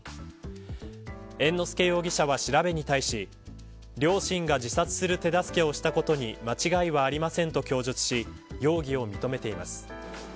猿之助容疑者は調べに対し両親が自殺する手助けをしたことに間違いはありませんと供述し容疑を認めています。